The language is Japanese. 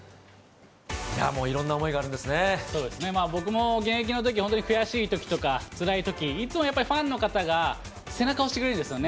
もういろんな思いがあるんで僕も現役のとき、本当に悔しいときとか、つらいとき、いつもやっぱりファンの方が背中押してくれるんですよね。